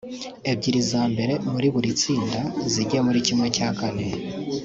ebyiri za mbere muri buri tsinda zijye muri ¼